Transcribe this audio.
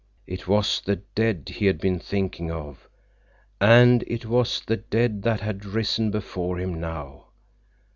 It was the dead he had been thinking of, and it was the dead that had risen before him now.